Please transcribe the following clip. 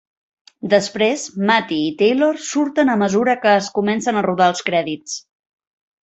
Després, Matty i Taylor surten a mesura que es comencen a rodar els crèdits.